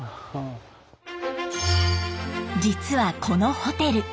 実はこのホテル